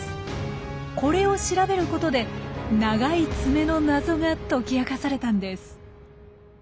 これを調べることで長いツメの謎が解き明かされたんです。